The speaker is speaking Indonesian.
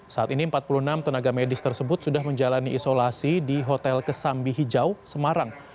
saat ini empat puluh enam tenaga medis tersebut sudah menjalani isolasi di hotel kesambi hijau semarang